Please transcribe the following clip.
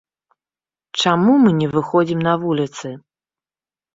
Чаму мы не выходзім на вуліцы?